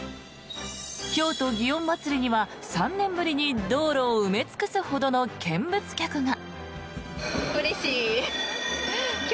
京都祇園祭には、３年ぶりに道路を埋め尽くすほどの見物客が。